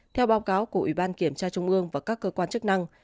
theo báo cáo của ủy ban kiểm tra trung ương và các cơ quan chức năng